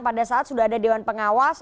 pada saat sudah ada dewan pengawas